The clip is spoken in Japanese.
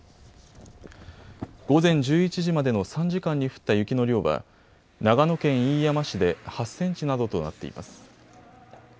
午前１１時までの３時間に降った雪の量は長野県飯山市で８センチなどとなっています。